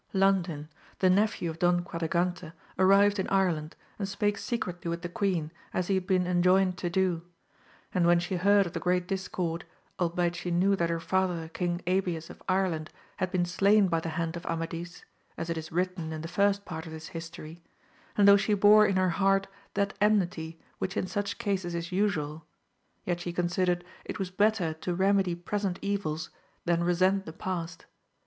ANDIN the nephew of Don Quadragante arrived in Ireland, and spake secretly with the queen, as he had been enjoined to do» And when she heard of the great discord, albeit she knew that her father King Abies of Ireland had been slain by the hand of Amadis, as it is written in the first part of this history, and though she bore in her heJthat enndty whiS'in such cies is usual, yet she considered it was better to remedy present evils then resent the past.